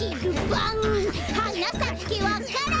「はなさけわか蘭」